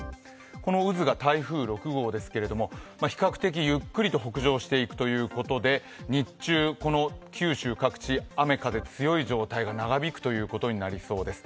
この渦が台風６号ですけれども、比較的ゆっくりと北上していくということで、日中、この九州各地、雨風強い状態が長引くということになりそうです。